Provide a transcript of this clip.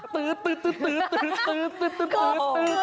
ตื๊ดตื๊ดตื๊ดตื๊ดตื๊ดตื๊ดตื๊ดตื๊ดตื๊ด